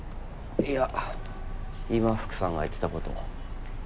いや今福さんが言ってたこと。